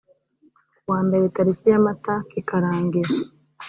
kuwa mbere tariki ya mata kikarangira .